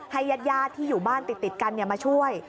ญาติที่อยู่บ้านติดกันมาช่วย